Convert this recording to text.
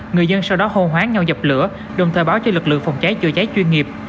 người dân sau đó hô hoáng nhau dập lửa đồng thời báo cho lực lượng phòng cháy chữa cháy chuyên nghiệp